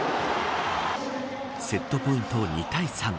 セットポイント２対３。